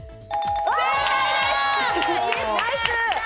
正解です。